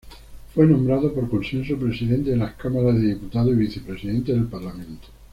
Fue nombrado por consenso presidente de la Cámara de Diputados y Vicepresidente del Parlamento.